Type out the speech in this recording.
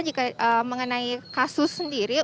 jika mengenai kasus sendiri